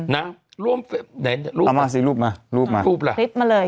นะแวนอ้าวมาสิรูปมารูปแล้วสามเว้ย